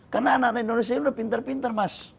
karena anak anak indonesia ini sudah pintar pintar